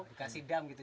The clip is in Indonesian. dikasih dam gitu